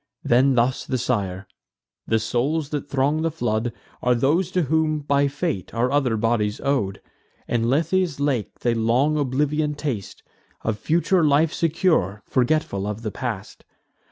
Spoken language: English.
Then thus the sire: "The souls that throng the flood Are those to whom, by fate, are other bodies ow'd: In Lethe's lake they long oblivion taste, Of future life secure, forgetful of the past.